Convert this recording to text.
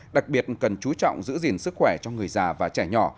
đặc biệt cần chú trọng giữ gìn sức khỏe cho người già và trẻ nhỏ